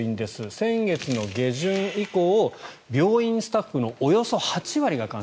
先月下旬以降、病院スタッフのおよそ８割が感染。